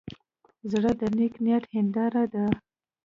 زړه د نیک نیت هنداره ده.